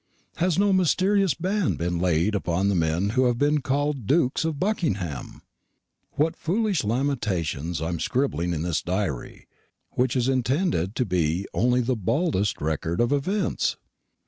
Has no mysterious ban been laid upon the men who have been called Dukes of Buckingham? What foolish lamentations am I scribbling in this diary, which is intended to be only the baldest record of events!